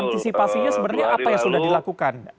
antisipasinya sebenarnya apa yang sudah dilakukan